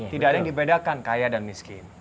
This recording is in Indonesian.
tidak ada yang dibedakan kaya dan miskin